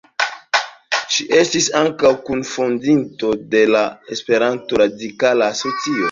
Ŝi estis ankaŭ kunfondinto de la Esperanto Radikala Asocio.